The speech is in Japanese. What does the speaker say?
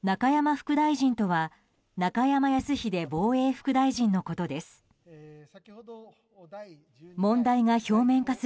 副大臣とは中山泰秀防衛副大臣のことです。